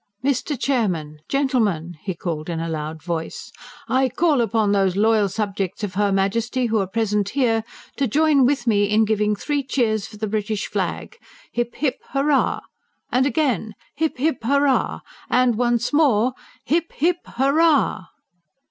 "Mr. Chairman! Gentlemen!" he cried in a loud voice. "I call upon those loyal subjects of her Majesty who are present here, to join with me in giving three cheers for the British flag. Hip, hip, hurrah! And, again, hip, hip, hurrah! And, once more, hip, hip, hurrah!"